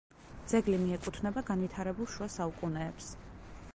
ძეგლი მიეკუთვნება განვითარებულ შუა საუკუნეებს.